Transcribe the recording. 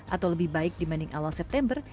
atau lebih baik dibanding awal september